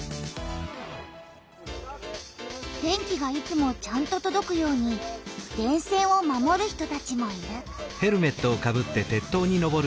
電気がいつもちゃんととどくように「電線」を守る人たちもいる。